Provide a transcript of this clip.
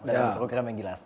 dan ada program yang jelas